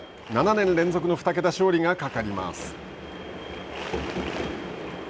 ７年連続の２桁勝利がかかります。